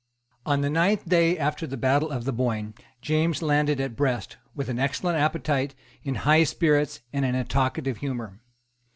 On the ninth day after the battle of the Boyne James landed at Brest, with an excellent appetite, in high spirits, and in a talkative humour.